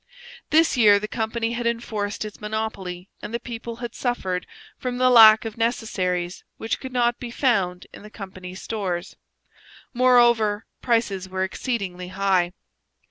This year the company had enforced its monopoly and the people had suffered from the lack of necessaries, which could not be found in the company's stores; moreover, prices were exceedingly high.